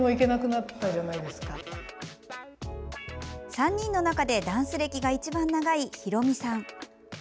３人の中でダンス歴が一番長いヒロミさん。